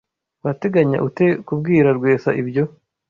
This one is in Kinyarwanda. Urateganya ute kubwira Rwesa ibyo?